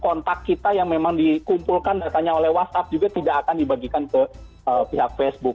kontak kita yang memang dikumpulkan datanya oleh whatsapp juga tidak akan dibagikan ke pihak facebook